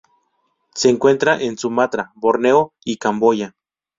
Se encuentra en Sumatra, Borneo y Camboya.